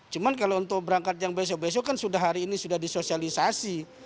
cuman kalau untuk berangkat jam besok besok kan hari ini sudah disosialisasi